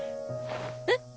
えっ！？